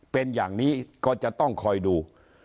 เป็นอย่างนี้ก็จะต้องคอยดู